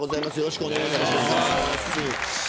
よろしくお願いします。